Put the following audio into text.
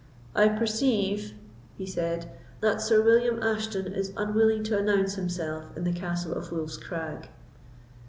"I perceive," he said, "that Sir William Ashton is unwilling to announced himself in the Castle of Wolf's Crag."